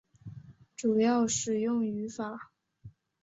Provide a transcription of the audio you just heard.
主要使用法语。